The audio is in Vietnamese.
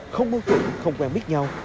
không mơ tượng không quen biết nhau